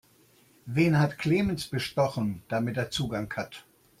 Wen hat Clemens bestochen, damit er Zugang hat?